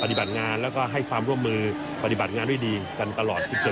ปฏิบัติงานแล้วก็ให้ความร่วมมือปฏิบัติงานด้วยดีกันตลอด